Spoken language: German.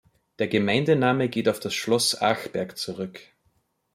Der Gemeindename geht auf das Schloss Achberg zurück.